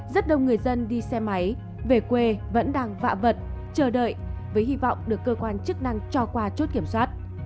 rất đông người dân đi xe máy về quê vẫn đang vạ vật chờ đợi với hy vọng được cơ quan chức năng cho qua chốt kiểm soát